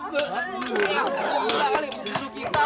tidak tidak tidak tidak